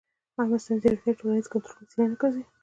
ایا مصنوعي ځیرکتیا د ټولنیز کنټرول وسیله نه ګرځي؟